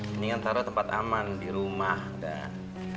mendingan taro tempat aman di rumah dan